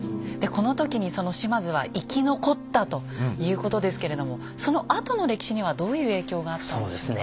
この時にその島津は生き残ったということですけれどもそのあとの歴史にはどういう影響があったんでしょう？